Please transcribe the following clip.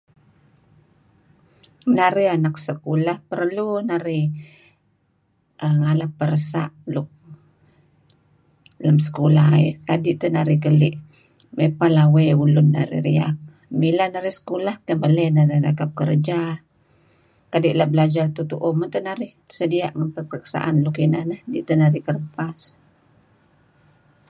Narih anak sekulah perlu narih ngalap peresa' luk lem sekulah eh kadi' teh narih keli' mey peh lawey narih riyak, mileh nari sekulah keh meley narih nekap kerja kadi' la' belajar tu'uh-tu'uh meto'narih sedia' ngan peperiksaan nuk ineh kidih teh narih kereb pas.